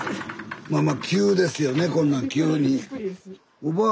まあまあ急ですよねこんな急に。